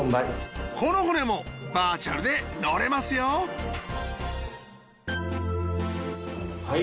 この船もバーチャルで乗れますよはい。